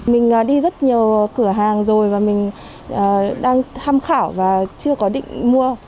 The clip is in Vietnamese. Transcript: mình đi rất nhiều cửa hàng rồi và mình đang tham khảo và chưa có định mua